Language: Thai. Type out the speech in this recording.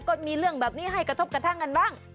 ก็มีเรื่องแบบนี้ให้กระทบกระทั่งกันบ้าง